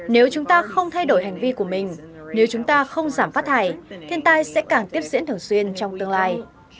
nếu chúng ta không thay đổi hành vi của mình nếu chúng ta không giảm phát thải thiên tai sẽ càng tiếp diễn thường xuyên trong tương lai